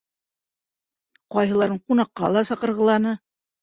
Ҡайһыларын ҡунаҡҡа ла саҡырғыланы.